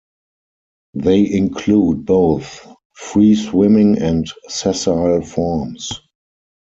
They include both free-swimming and sessile forms.